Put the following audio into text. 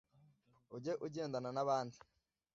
ujye ugendana na bandi